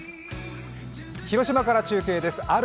広島から中継です。